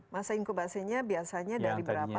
masa inkubasinya biasanya dari berapa